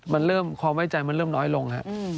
มันเริ่มความไว้ใจมันเริ่มน้อยลงครับ